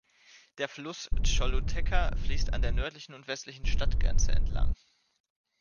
Der Fluss Choluteca fließt an der nördlichen und westlichen Stadtgrenze entlang.